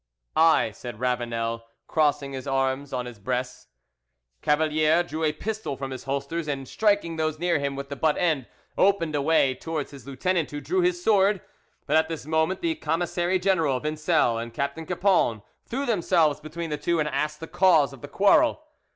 "I," said Ravanel, crossing his arms on his breast. Cavalier drew a pistol from his holsters, and striking those near him with the butt end, opened a way towards his lieutenant, who drew his sword; but at this moment the commissary general, Vincel, and Captain Cappon threw themselves between the two and asked the cause of the quarrel.